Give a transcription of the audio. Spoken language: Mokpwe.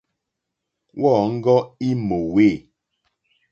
Wɔ̂ŋɡɔ́ í mòwê.